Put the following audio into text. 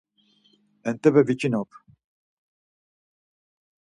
Entepe viçinop.